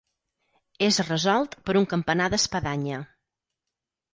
És resolt per un campanar d'espadanya.